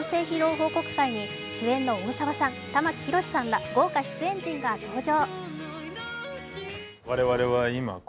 報告会に主演の大沢さん、玉木宏さんら豪華出演陣が登場。